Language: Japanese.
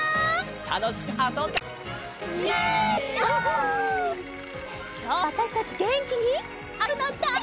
たのしくあそんでるかい？